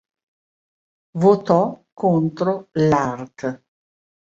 Votò contro l'art.